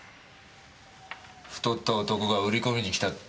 太った男が売り込みに来たって。